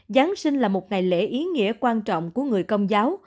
giáng sinh là một ngày lễ ý nghĩa quan trọng của người công giáo